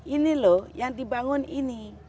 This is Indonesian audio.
ini loh yang dibangun ini